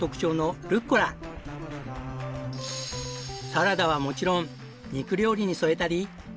サラダはもちろん肉料理に添えたり。